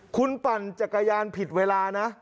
คุณปั่นจักรยานผิดเวลานะ